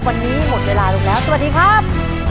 วันนี้หมดเวลาลงแล้วสวัสดีครับ